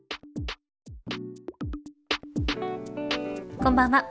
こんばんは。